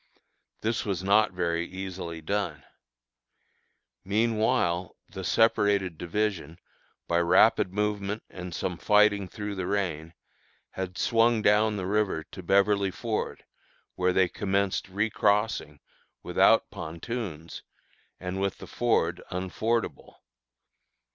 This was not very easily done. Meanwhile the separated division, by rapid movement and some fighting through the rain, had swung down the river to Beverly Ford, where they commenced recrossing, without pontoons, and with the ford unfordable.